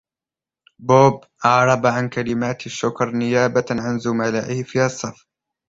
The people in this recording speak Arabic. بوب أعرب عن كلمات الشكر نيابة عن زملائه في الصف.